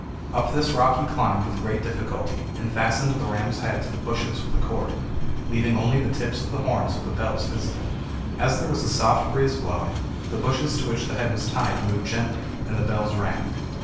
Up this rock he climbed with great difficulty, and fastened the ram's head to the bushes with a cord, leaving only the tips of the horns with the bells visible. As there was a soft breeze blowing, the bushes to which the head was tied moved gently, and the bells rang.